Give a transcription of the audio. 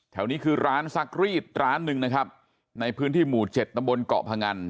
นี้คือร้านซักรีดร้านหนึ่งนะครับในพื้นที่หมู่เจ็ดตำบลเกาะพงัน